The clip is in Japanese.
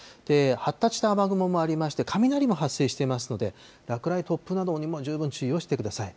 発達した雨雲もありまして、雷も発生していますので、落雷、突風などにも十分注意をしてください。